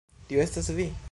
Tio estas vi?